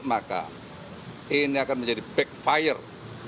maka ini akan menjadi backfire